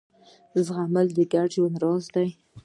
زغم د ګډ ژوند راز دی.